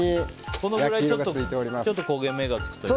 このぐらいちょっと焦げ目がつくというか。